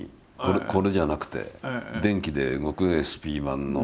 これじゃなくて電気で動くＳＰ盤の。